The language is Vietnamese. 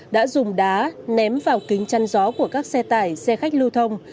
đã dùng đá ném vào kính chăn gió của các xe tải xe khách lưu thông